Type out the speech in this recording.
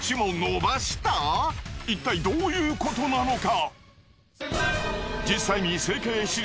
いったいどういうことなのか？